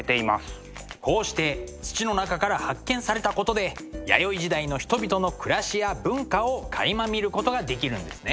こうして土の中から発見されたことで弥生時代の人々の暮らしや文化をかいま見ることができるんですね。